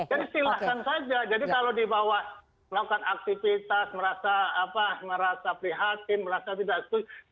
jadi silakan saja jadi kalau di bawah melakukan aktivitas merasa apa merasa prihatin merasa tidak setuju